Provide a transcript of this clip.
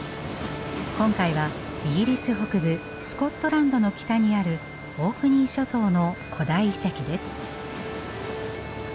今回はイギリス北部スコットランドの北にあるオークニー諸島の古代遺跡です。